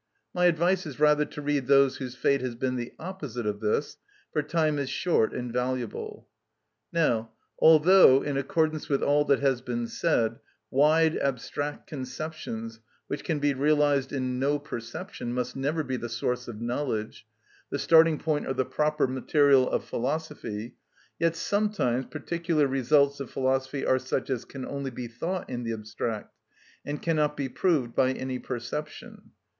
My advice is rather to read those whose fate has been the opposite of this, for time is short and valuable. Now although, in accordance with all that has been said, wide, abstract conceptions, which can be realised in no perception, must never be the source of knowledge, the starting point or the proper material of philosophy, yet sometimes particular results of philosophy are such as can only be thought in the abstract, and cannot be proved by any perception.